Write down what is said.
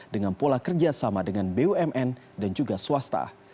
dengan pola kerja sama dengan bumn dan juga swasta